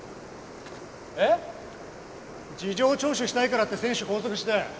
えっ？事情聴取したいからって選手拘束して。